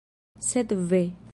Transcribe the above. Sed ve!